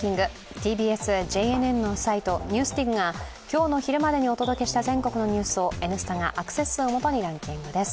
ＴＢＳ・ＪＮＮのサイト「ＮＥＷＳＤＩＧ」が今日の昼までにお届けした全国のニュースを「Ｎスタ」がアクセス数をもとにランキングです。